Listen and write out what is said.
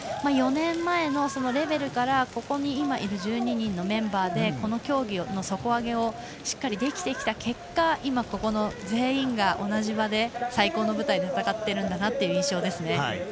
４年前のレベルからここに今いる１２人のメンバーでこの競技の底上げをしっかりできてきた結果今、この全員が同じ場で最高の舞台で戦っているんだなという印象です。